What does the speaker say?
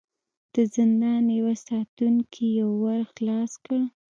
د زندان يوه ساتونکي يو ور خلاص کړ.